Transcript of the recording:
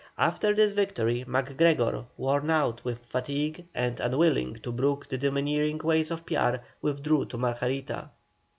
After this victory MacGregor, worn out with fatigue and unwilling to brook the domineering ways of Piar, withdrew to Margarita.